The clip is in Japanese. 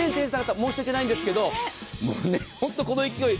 申し訳ないんですけどこの勢いを